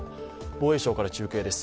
防衛省から中継です。